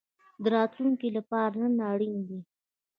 د راتلونکي لپاره نن اړین ده